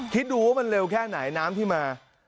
คิดดูว่ามันเร็วแค่ไหนน้ำที่มา